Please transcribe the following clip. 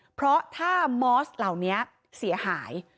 เพราะถ้ามอสเหล่านี้เสียหาย